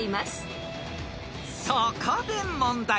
［そこで問題］